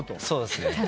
そうですね。